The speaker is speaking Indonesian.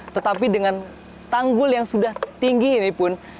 tetapi dengan tanggul yang sudah tinggi ini pun